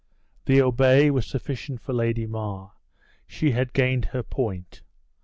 The "obey" was sufficient for Lady Mar; she had gained her point.